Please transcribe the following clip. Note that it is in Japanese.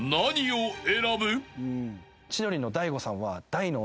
千鳥の。